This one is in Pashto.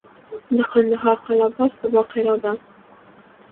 د کندهار قلعه بست د بایقرا ده